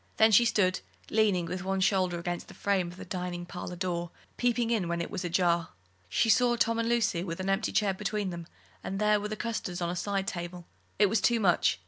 Then she stood leaning with one shoulder against the frame of the dining parlour door, peeping in when it was ajar. She saw Tom and Lucy with an empty chair between them, and there were the custards on a side table it was too much.